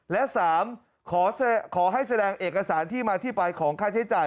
และ๓ขอให้แสดงเอกสารที่มาที่ไปของค่าใช้จ่าย